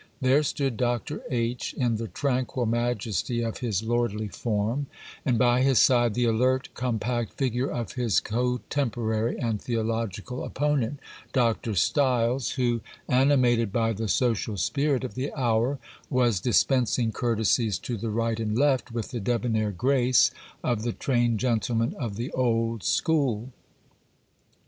There stood Dr. H., in the tranquil majesty of his lordly form, and by his side the alert, compact figure of his cotemporary and theological opponent, Dr. Styles, who, animated by the social spirit of the hour, was dispensing courtesies to the right and left with the debonair grace of the trained gentleman of the old school.